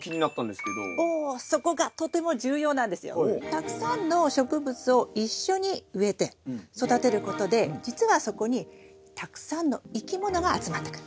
たくさんの植物を一緒に植えて育てることで実はそこにたくさんの生き物が集まってくる。